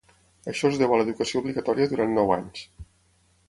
Això es deu a l'educació obligatòria durant nou anys.